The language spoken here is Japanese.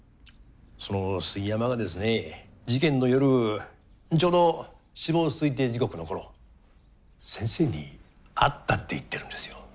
その杉山がですね事件の夜ちょうど死亡推定時刻の頃先生に会ったって言ってるんですよ。